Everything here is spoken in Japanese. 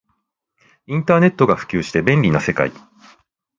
インターネットが普及して便利な世界